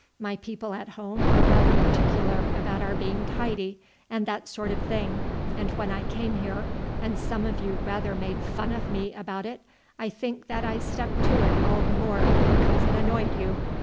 My people at home are rather particular about our being tidy and that sort of thing, and when I came here and some of you rather made fun of me about it, I think that I stuck to it all the more because it annoyed you.